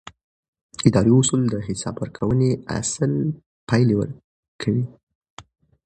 اداري اصول د حساب ورکونې اصل پلي کوي.